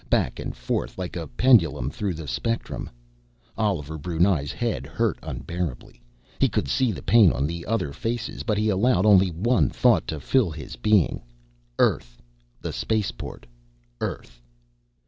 Back and forth, like a pendulum through the spectrum.... Oliver Brunei's head hurt unbearably, he could see the pain on the other faces, but he allowed only one thought to fill his being _Earth! The Spaceport! EARTH!